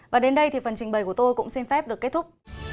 và đến đây thì phần trình bày của tôi cũng xin phép được kết thúc